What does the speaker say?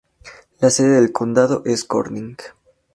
La sede del condado es Corning.